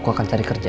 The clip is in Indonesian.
aku akan cari kerja